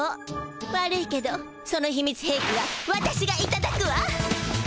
悪いけどそのひみつへいきは私がいただくわ！